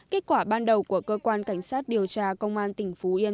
kết quả ban đầu của cơ quan cảnh sát điều tra công an tỉnh phú yên